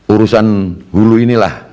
urusan hulu inilah